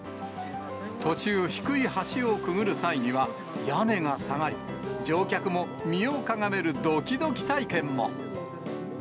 途中、低い橋をくぐる際には、屋根が下がり、乗客も身をかがめるどきどき体験も。